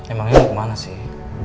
emang ini mau kemana sih